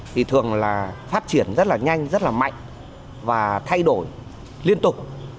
thì thường là phát triển rất là nhanh rất là mạnh và thay đổi liên tục